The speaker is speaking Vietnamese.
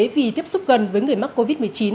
vì tiếp xúc gần với người mắc covid một mươi chín